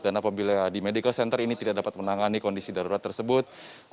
dan apabila di medical center ini tidak dapat menangani kondisi darurat tersebut